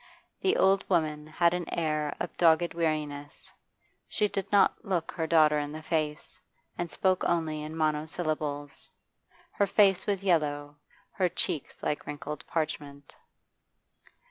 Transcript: The old woman had an air of dogged weariness; she did not look her daughter in the face, and spoke only in monosyllables. Her face was yellow, her cheeks like wrinkled parchment.